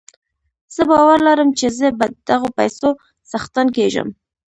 زه باور لرم چې زه به د دغو پيسو څښتن کېږم.